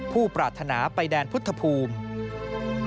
ผู้ปราธนาไปแดนพุทธภูมิ